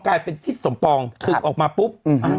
กลายเป็นทิศสมปองศึกออกมาปุ๊บ